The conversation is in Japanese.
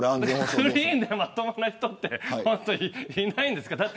クリーンでまともな人って本当にいないんですか。